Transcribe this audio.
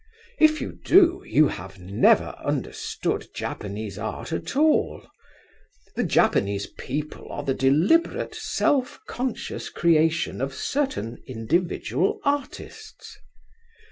If you do, you have never understood Japanese art at all. The Japanese people are the deliberate self conscious creation of certain individual artists.